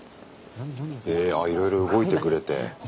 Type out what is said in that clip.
えいろいろ動いてくれて。